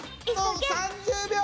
３０秒！